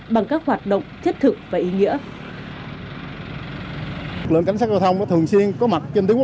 bằng các hoạt động chất thực và ý nghĩa